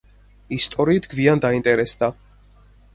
ისტორიით გვიან დაინტერესდა.